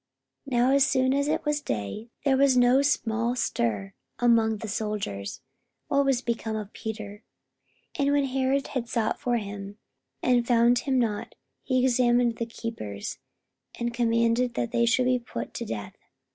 44:012:018 Now as soon as it was day, there was no small stir among the soldiers, what was become of Peter. 44:012:019 And when Herod had sought for him, and found him not, he examined the keepers, and commanded that they should be put to death.